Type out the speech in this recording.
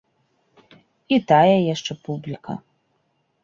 І тая яшчэ публіка.